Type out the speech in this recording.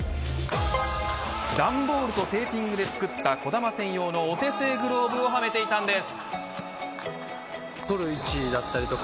段ボールとテーピングで作った児玉専用のお手製グローブをはめていたんです。